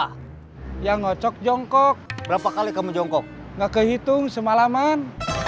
taruhannya ia apa yang ngocok jongkok berapa kali kami jongkok nggak kehitung semalaman